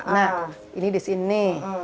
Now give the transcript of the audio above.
nah ini di sini